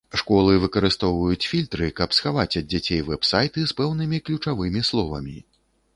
Школы выкарыстоўваюць фільтры, каб схаваць ад дзяцей вэб-сайты з пэўнымі ключавымі словамі.